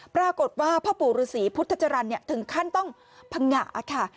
ปรากฏว่าพระผู้รุษีพุทธจรรย์ถึงขั้นต้องผงาค่ะ